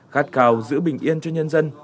khát khào giữ bình yên cho nhân dân